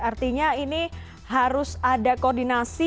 artinya ini harus ada koordinasi